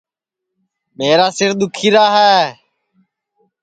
میرا سِر دُؔکھیرا ہے